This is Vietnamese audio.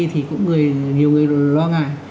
thì cũng nhiều người lo ngại